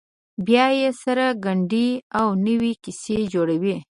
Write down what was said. بیا یې سره ګنډي او نوې کیسې جوړوي.